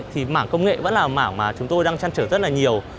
thì mảng công nghệ vẫn là mảng mà chúng tôi đang chăn trở rất là nhiều